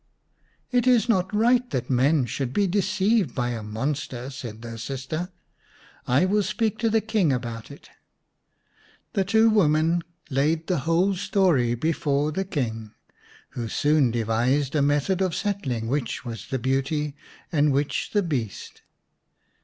"It is not right that men should be deceived by a monster," said her sister. " I will speak to the King about it/ The two women laid the whole story before 234 xix The Beauty and the Beast the King, who soon devised a method of settling which was the beauty and which the beast.